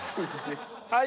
はい。